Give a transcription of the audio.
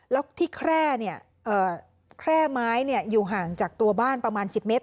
แล้วที่แคร่เนี่ยแคร่ไม้เนี่ยอยู่ห่างจากตัวบ้านประมาณสิบเมตร